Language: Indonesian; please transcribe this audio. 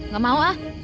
gak mau ah